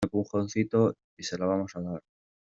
un empujoncito, y se lo vamos a dar.